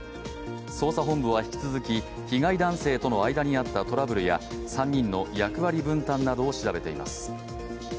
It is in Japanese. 捜査本部は引き続き、被害男性との間にあったトラブルや３人の役割分担などを調べています